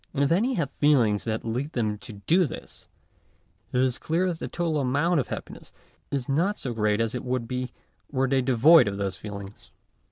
And if any have feelings that lead them to do this, it is clear that the total amount of happiness is not so great as it would be were they devoid of those feelings.